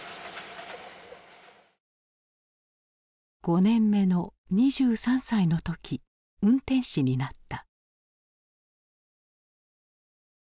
５年目の２３歳の時運転士になった。